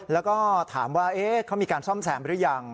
แล้วก็ถามว่าเขามีการซ่อมแซมหรือยัง